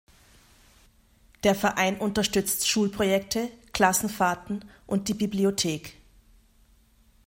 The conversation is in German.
Der Verein unterstützt Schulprojekte, Klassenfahrten und die Bibliothek.